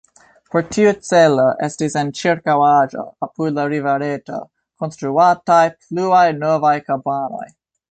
Por tiu celo estis en ĉirkaŭaĵo, apud la rivereto, konstruataj pluaj novaj kabanoj.